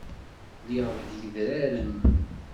Lliɣ deg yedraren.